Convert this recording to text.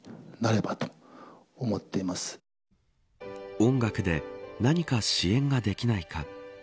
音楽で何か支援ができないか。